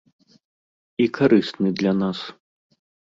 І карысны для нас.